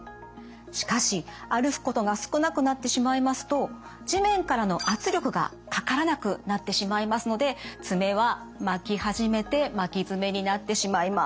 しかし歩くことが少なくなってしまいますと地面からの圧力がかからなくなってしまいますので爪は巻き始めて巻き爪になってしまいます。